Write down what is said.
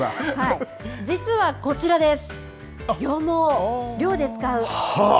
実はこちらです。